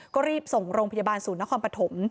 ก็รีบส่งโรงพยาบาลศูนย์นครปฐม